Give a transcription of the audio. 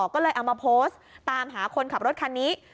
ก็เลยเอามาโพสต์ตามหาคนขับรถคันนี้